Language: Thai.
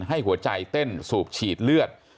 ให้หัวใจเต้นสูบฉีดเลือด